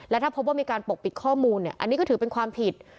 ถ้าพบว่ามีการปกปิดข้อมูลอันนี้ก็ถือเป็นความผิด